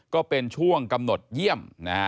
ก็เป็นช่วงกำหนดเยี่ยมนะฮะ